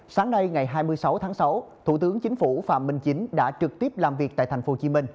sáng nay ngày hai mươi sáu tháng sáu thủ tướng chính phủ phạm minh chính đã trực tiếp làm việc tại tp hcm